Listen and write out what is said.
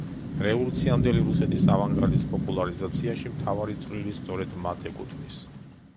რევოლუციამდელი რუსეთის ავანგარდის პოპულარიზაციაში მთავარი წვლილი სწორედ მათ ეკუთვნის.